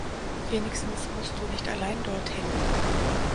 Wenigstens musst du nicht allein dorthin.